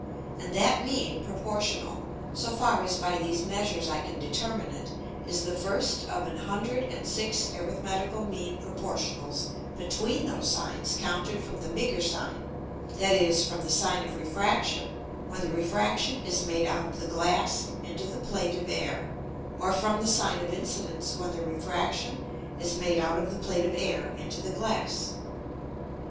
And that mean Proportional, so far as by these Measures I can determine it, is the first of an hundred and six arithmetical mean Proportionals between those Sines counted from the bigger Sine, that is, from the Sine of Refraction when the Refraction is made out of the Glass into the Plate of Air, or from the Sine of Incidence when the Refraction is made out of the Plate of Air into the Glass.